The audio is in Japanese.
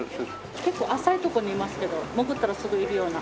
結構浅いとこにいますけど潜ったらすぐいるような。